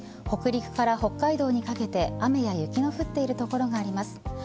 北陸から北海道にかけて雨や雪の降っている所があります。